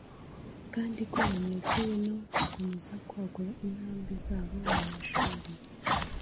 kandi ko banyotewe no gukomeza kwagura intambwe zabo mu mashuri